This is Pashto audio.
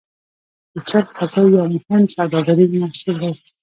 د چرګ هګۍ یو مهم سوداګریز محصول دی.